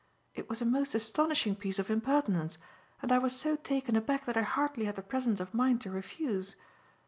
It was a most astonishing piece of impertinence, and I was so taken aback that I hardly had the presence of mind to refuse.